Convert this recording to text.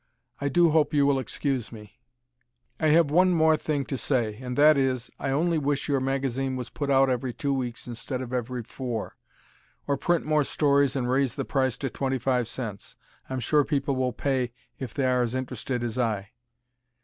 I do hope you will excuse me. I have one more thing to say and that is: I only wish your magazine was put out every two weeks instead of every four; or print more stories and raise the price to twenty five cents. I'm sure people will pay if they are as interested as I.